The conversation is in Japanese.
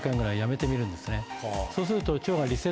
そうすると。